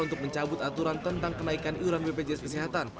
untuk mencabut aturan tentang kenaikan iuran bpjs kesehatan